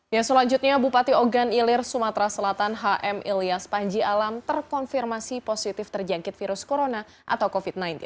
yang selanjutnya bupati ogan ilir sumatera selatan hm ilyas panji alam terkonfirmasi positif terjangkit virus corona atau covid sembilan belas